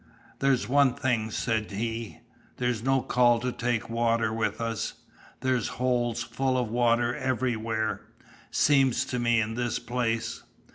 "There's one thing," said he, "there's no call to take water with us, there's holes full of water everywhere, seems to me in this place."